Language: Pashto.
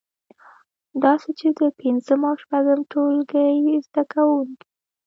داسې چې د پنځم او شپږم ټولګي زده کوونکی